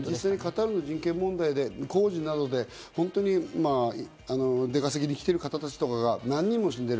カタールの人権問題で工事などで出稼ぎに来てるいう方達とかが何人も死んでる。